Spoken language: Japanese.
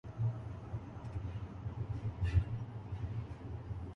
なんでーーー